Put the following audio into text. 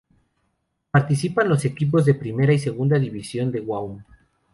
Participan los equipos de primera y segunda división de Guam.